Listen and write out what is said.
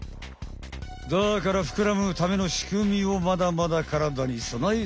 だからふくらむためのしくみをまだまだからだにそなえている！